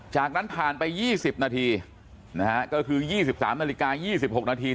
จากนั้นผ่านไป๒๐นาทีนะฮะก็คือ๒๓นาฬิกา๒๖นาที